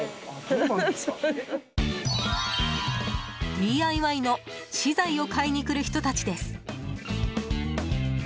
ＤＩＹの資材を買いに来る人たちです。